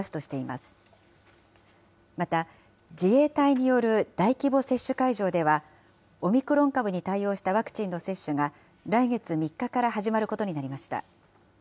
また、自衛隊による大規模接種会場では、オミクロン株に対応したワクチンの接種が来月３日から始まることになりました。